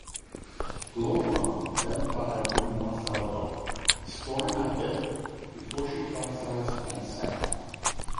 "Glowworm" then fired one more salvo, scoring a hit, before she capsized and sank.